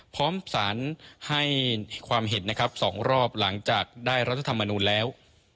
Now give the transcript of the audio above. พร้อมสารให้ความเห็นนะครับ๒รอบหลังจากได้รัฐธรรมนูลแล้ว